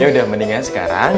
yaudah mendingan sekarang